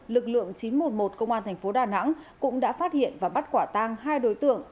lực lượng chín trăm một mươi một công an thành phố đà nẵng cũng đã phát hiện và bắt quả tang hai đối tượng